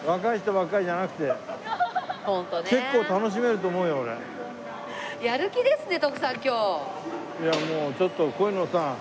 もうちょっとこういうのさ